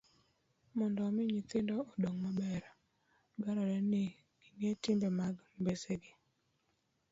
Mondo omi nyithindo odong maber, dwarore ni ging'e timbe mag mbesegi.